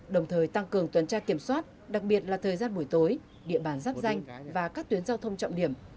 đồng thời tăng cường tuần tra kiểm soát đặc biệt là thời gian buổi tối địa bàn giáp danh và các tuyến giao thông trọng điểm